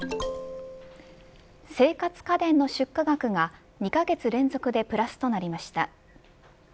生活家電の出荷額が２カ月連続でプラスとなりました。